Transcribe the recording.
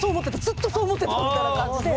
ずっとそう思ってた！」みたいな感じで。